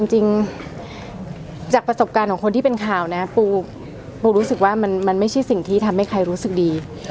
จริงจากประสบการณ์ของคนที่เป็นข่าวนะปูรู้สึกว่ามันไม่ใช่สิ่งที่ทำให้ใครรู้สึกดี